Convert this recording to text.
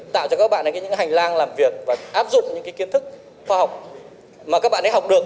tạo cho các bạn ấy những hành lang làm việc và áp dụng những cái kiến thức khoa học mà các bạn ấy học được